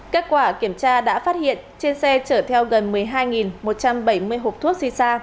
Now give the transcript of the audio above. kết quả kiểm tra đã phát hiện trên xe chở theo gần một mươi hai một trăm bảy mươi hộp thuốc xì xa